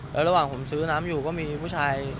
แล้วระหว่างผมซื้อน้ำอยู่ก็มีผู้ชาย